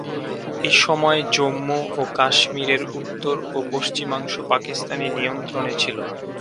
এসময় জম্মু ও কাশ্মিরের উত্তর ও পশ্চিমাংশ পাকিস্তানি নিয়ন্ত্রণে ছিল।